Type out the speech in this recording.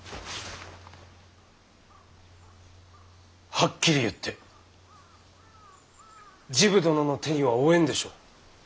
はっきり言って治部殿の手には負えんでしょう。